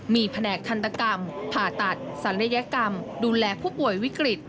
มีแผนกทันตกรรมผ่าตัดศัลยกรรมดูแลผู้ป่วยวิกฤต